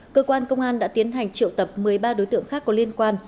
cơ quan công an đã tiến hành triệu tập một mươi ba đối tượng khác có liên quan